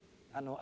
あ。